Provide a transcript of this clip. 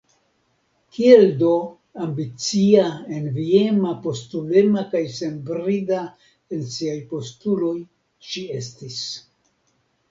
Kiel do ambicia, enviema, postulema kaj senbrida en siaj postuloj ŝi estis!